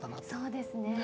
そうですね。